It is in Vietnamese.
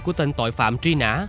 của tên tội phạm truy nã